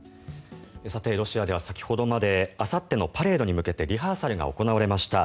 ロシアでは先ほどまであさってのパレードに向けてリハーサルが行われました。